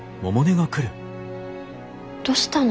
どしたの？